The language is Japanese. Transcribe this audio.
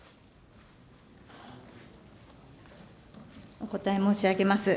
お答え申し上げます。